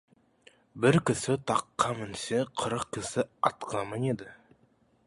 Бір кісі таққа мінсе, қырық кісі атқа мінеді.